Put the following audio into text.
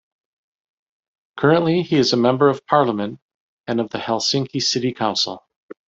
Currently, he is a member of parliament and of the Helsinki city council.